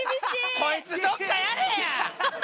こいつどっかやれや！